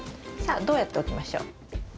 さあどうやって置きましょう？